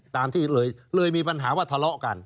ตามที่เลยมีปัญหาว่าทะเลาะกัน